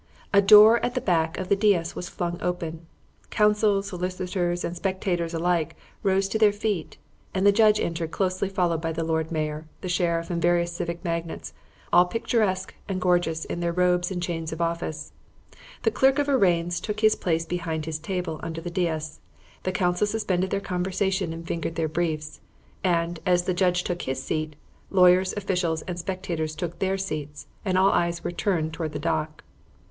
A door at the back of the dais was flung open; counsel, solicitors, and spectators alike rose to their feet; and the judge entered, closely followed by the Lord Mayor, the sheriff, and various civic magnates, all picturesque and gorgeous in their robes and chains of office. The Clerk of Arraigns took his place behind his table under the dais; the counsel suspended their conversation and fingered their briefs; and, as the judge took his seat, lawyers, officials, and spectators took their seats, and all eyes were turned towards the dock.